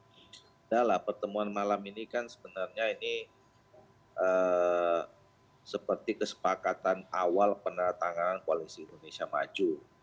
tidaklah pertemuan malam ini kan sebenarnya ini seperti kesepakatan awal peneretangan koalisi indonesia maju